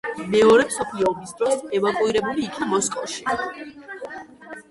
მეორე მსოფლიო ომის დროს ევაკუირებული იქნა მოსკოვში.